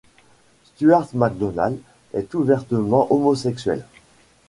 Stuart McDonald est ouvertement homosexuel.